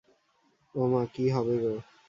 ওমা, কী হবে গো।